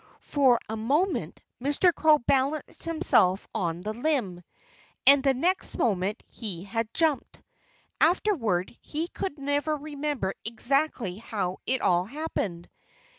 For a moment Mr. Crow balanced himself on the limb. And the next moment, he had jumped. Afterward, he could never remember exactly how it all happened.